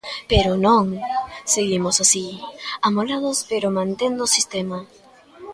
Pero non, seguimos así, amolados pero mantendo o sistema.